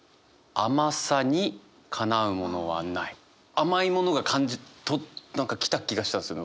甘いものが何か来た気がしたんですよね